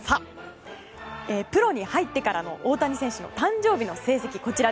プロに入ってからの大谷選手の誕生日の成績がこちら。